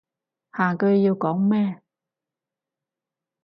下句要講咩？